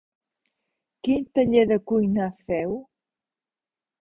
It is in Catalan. Quin taller de cuina feu?